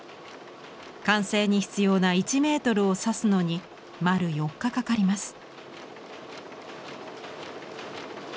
完成に必要な１メートルを刺すのに丸４日かかります。